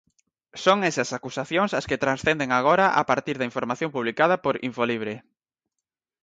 Son esas acusacións as que transcenden agora a partir da información publicada por InfoLibre.